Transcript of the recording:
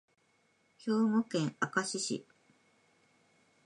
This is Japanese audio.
兵庫県明石市